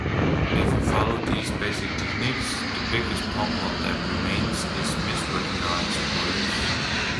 If you follow these basic techniques, the biggest problem that remains is misrecognized words.